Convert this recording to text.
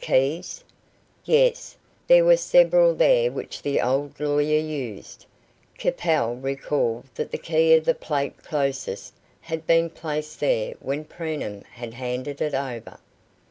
Keys? Yes, there were several there which the old lawyer used. Capel recalled that the key of the plate closet had been placed there when Preenham had handed it over.